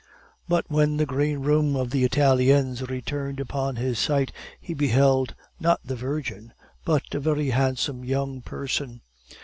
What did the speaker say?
But when the greenroom of the Italiens returned upon his sight he beheld, not the Virgin, but a very handsome young person.